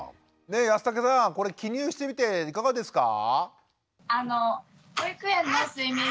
安武さんこれ記入してみていかがですか？